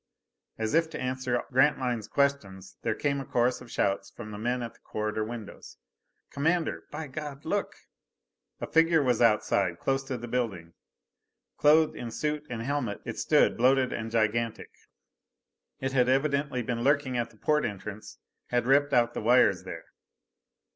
As if to answer Grantline's question there came a chorus of shouts from the men at the corridor windows. "Commander! By God look!" A figure was outside, close to the building! Clothed in suit and helmet, it stood, bloated and gigantic. It had evidently been lurking at the port entrance, had ripped out the wires there.